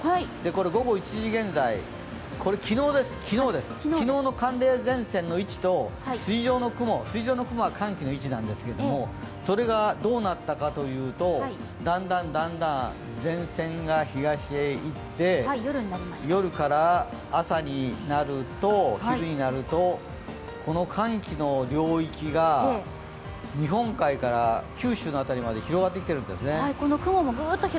午後１時現在、昨日の寒冷前線の位置と筋状の雲が寒気の位置なんですけどもどうなったかというとだんだん、前線が東に行って夜から朝になると、昼になると、この寒気の領域が日本海から九州の辺りまで広がってきてるんですね。